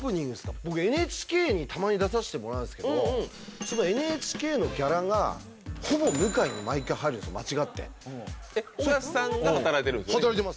僕、ＮＨＫにたまに出させてもらうんですけど、そのＮＨＫのギャラがほぼ向井に毎回入るんですよ、尾形さんが働いてるんですよ働いてます。